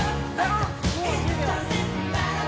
もう１０秒。